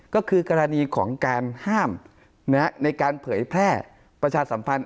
ก็คือกรณีของการห้ามในการเผยแพร่ประชาสัมพันธ